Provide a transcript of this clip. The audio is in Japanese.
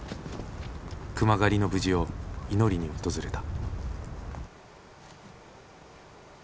熊狩りの無事を祈りに訪れた。